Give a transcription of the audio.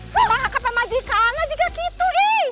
maka kepemajikan aja gak gitu